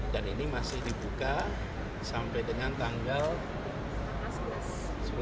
dan ini masih dibuka sampai dengan tanggal sebelas